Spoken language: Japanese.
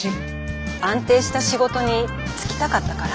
安定した仕事に就きたかったから。